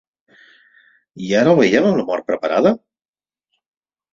I ara el veiem amb la mort preparada?